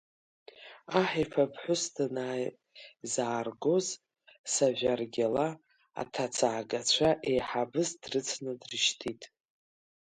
Аҳ иԥа ԥҳәыс данизааргоз, Сажәаргьала аҭацаагацәа еиҳабыс дрыцны дрышьҭит.